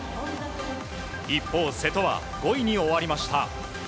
一方、瀬戸は５位に終わりました。